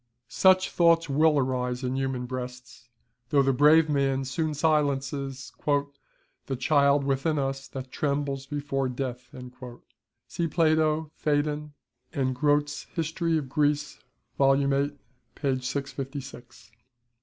Such thoughts WILL arise in human breasts, though the brave man soon silences "the child within us that trembles before death," [See Plato, Phaedon, c. 60; and Grote's History of Greece, vol. viii. p. 656.